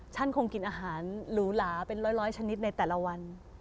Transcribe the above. ฉันคงกินอาหารหรูหลาเป็นร้อยชนิดในแต่ละวัน